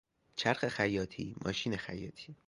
چرخ خیاطی، ماشین خیاطی